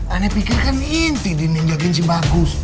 aneh pikir kan inti di ninjakin si bagus